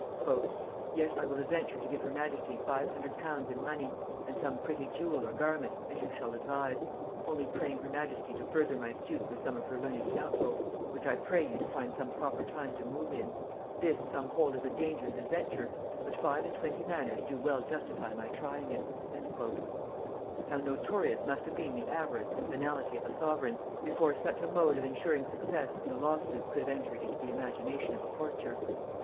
"Yet I will adventure to give her majesty five hundred pounds in money, and some pretty jewel or garment, as you shall advise, only praying her majesty to further my suit with some of her learned counsel; which I pray you to find some proper time to move in; this some hold as a dangerous adventure, but five and twenty manors do well justify my trying it." How notorious must have been the avarice and venality of a sovereign, before such a mode of insuring success in a law suit could have entered into the imagination of a courtier!